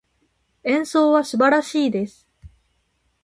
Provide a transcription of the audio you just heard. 演奏は素晴らしいです。